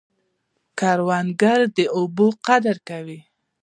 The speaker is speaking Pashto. کروندګر د اوبو قدر کوي